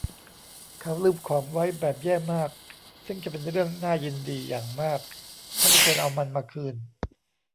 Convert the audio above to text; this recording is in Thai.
เขาลืมของไว้แบบแย่มากซึ่งจะเป็นเรื่องน่ายินดีอย่างมากถ้ามีคนเอามันมาคืน